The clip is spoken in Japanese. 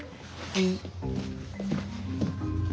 はい。